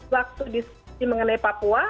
waktu diskusi mengenai papua